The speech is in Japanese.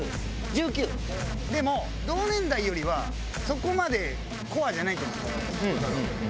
１９？でも同年代よりはそこまでコアじゃないと思う。